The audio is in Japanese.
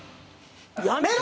やめろ！